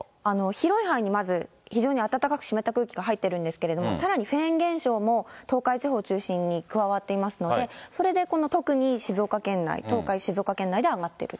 広い範囲にまず、非常に暖かく湿った空気が入っているんですけども、さらにフェーン現象も東海地方を中心に加わっていますので、それでこの特に静岡県内、東海、静岡県内では上がっていると。